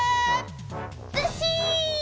ずっしん！